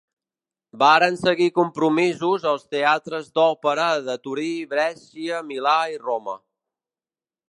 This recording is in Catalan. Varen seguir compromisos als teatres d'òpera de Torí, Brescia, Milà i Roma.